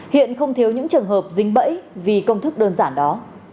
hiện không thiếu những trường hợp dính bẫy vì công thức đơn giản đó